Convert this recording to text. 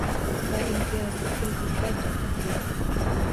Va imtiyozli kreditlar to'xtatiladi